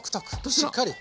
しっかり。